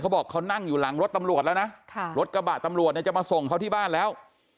บอกเขานั่งอยู่หลังรถตำรวจแล้วนะรถกระบะตำรวจเนี่ยจะมาส่งเขาที่บ้านแล้ว